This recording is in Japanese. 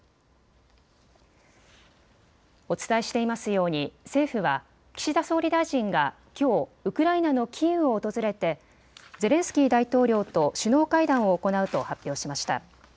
お伝えしていますように政府は岸田総理大臣がきょうウクライナのキーウを訪れてゼレンスキー大統領と首脳会談を行うと発表しました。